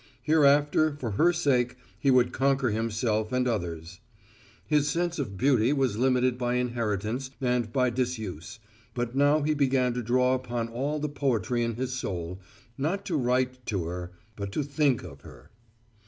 Hereafter, for her sake, he would conquer himself and others. His sense of beauty was limited by inheritance and by disuse, but now he began to draw upon all the poetry in his soul not to write to her, but to think of her.